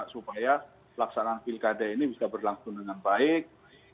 supaya laksanaan likada ini bisa berlangsung dengan baik